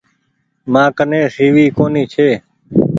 مآ ڪني سي وي ڪونيٚ ڇي۔